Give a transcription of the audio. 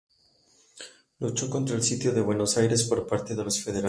Luchó contra el sitio de Buenos Aires por parte de los federales.